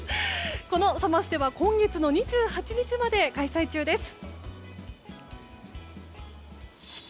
このサマステは今月の２８日まで開催中です。